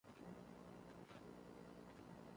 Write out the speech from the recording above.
برا خۆ دەزانی ئێمە هیچ خراپەمان لەگەڵ نەکردووی